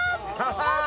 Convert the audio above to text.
ああ。